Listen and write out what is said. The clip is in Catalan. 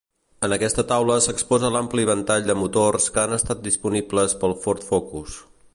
En aquesta taula s'exposa l'ampli ventall de motors que han estat disponibles pel Ford Focus.